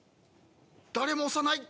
誰も押さない。